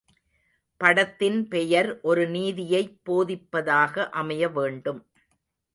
படத்தின் பெயர் ஒரு நீதியைப் போதிப்பதாக அமையவேண்டும்.